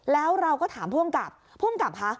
แล้วเราก็ถามผู้อำกับผู้อำกับคะ